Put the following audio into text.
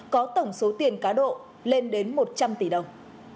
có tổng số tiền cá độ lên đến một trăm linh tỷ đồng